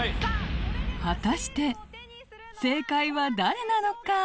果たして正解は誰なのか？